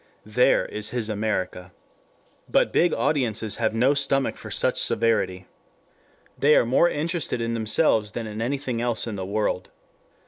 There is his America. But big audiences have no stomach for such severity. They are more interested in themselves than in anything else in the world.